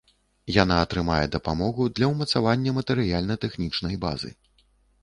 Яна атрымае дапамогу для ўмацавання матэрыяльна-тэхнічнай базы.